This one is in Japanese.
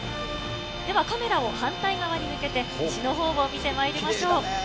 ではカメラを反対側に向けて、西のほうも見てまいりましょう。